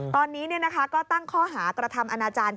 ตอนนี้ก็ตั้งข้อหากระทำอนาจารย์